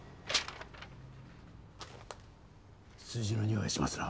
数字のにおいがしますな。